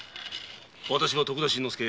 私は徳田新之助。